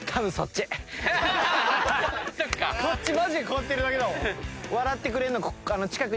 こっちマジでこうやってるだけだもん。